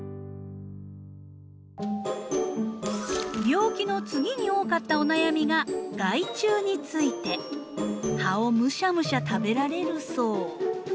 病気の次に多かったお悩みが害虫について。葉をむしゃむしゃ食べられるそう。